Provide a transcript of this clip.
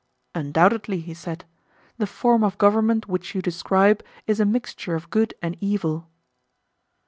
Undoubtedly, he said, the form of government which you describe is a mixture of good and evil.